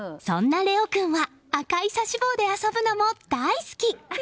そんなレオ君は赤い指し棒で遊ぶのも大好き。